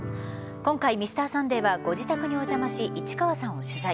今回「Ｍｒ．サンデー」はご自宅にお邪魔し市川さんを取材。